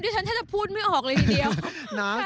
ฉันแทบจะพูดไม่ออกเลยทีเดียวนะ